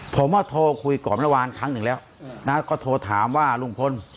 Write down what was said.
ผมว่าโทรคุยกรรมนะวาลครั้งหนึ่งแล้วอืมนะเขาโทรถามว่าลุงพล